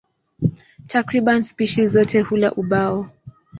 Takriban spishi zote hula ubao.